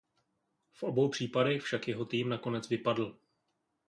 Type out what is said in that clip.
V obou případech však jeho tým nakonec vypadl.